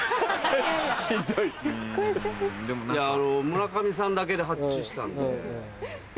村上さんだけで発注してたんで。